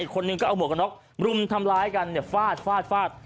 อีกคนนึงก็เอาหมวกกับน็อครุมทำลายกันฟาด